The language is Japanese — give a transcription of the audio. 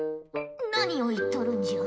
何を言っとるんじゃ？